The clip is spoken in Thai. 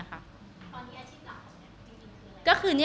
ตอนนี้อาทิตย์หลักของที่ดินคืออะไร